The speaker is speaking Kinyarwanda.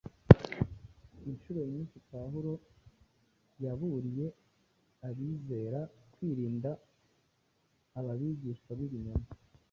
Incuro nyinshi Pawulo yaburiye abizera kwirinda aba bigisha b’ibinyoma